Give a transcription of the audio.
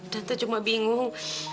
tante cuma bingung